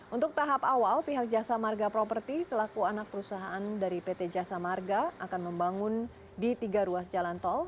untuk tahap awal pihak jasa marga property selaku anak perusahaan dari pt jasa marga akan membangun di tiga ruas jalan tol